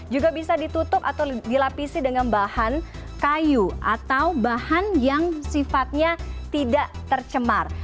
juga bisa ditutup atau dilapisi dengan bahan kayu atau bahan yang sifatnya tidak tercemar